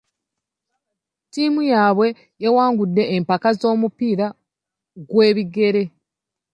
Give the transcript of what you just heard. Ttiimu yaabwe yawangudde empaka z'omupiira gw'ebigere.